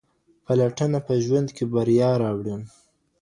پلټنه په ژوند کې بریا راوړي.